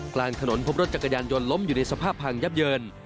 กลางถนนพบรถจักรยานยนต์ล้มอยู่ในสภาพพังยับเยิน